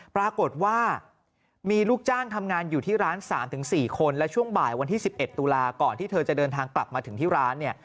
ปรากฏว่ามีลูกจ้างทำงานอยู่ที่ร้าน๓๔คนและช่วงบ่ายวันที่๑๑ตุลาก่อนที่เธอจะเดินทางกลับมาถึงที่ร้านเนี่ย